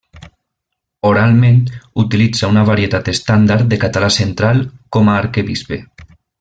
Oralment utilitza una varietat estàndard de català central com a Arquebisbe.